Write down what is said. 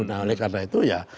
nah oleh karena itu ya